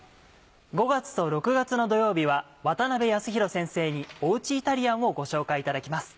５月と６月の土曜日は渡辺康啓先生におうちイタリアンをご紹介いただきます。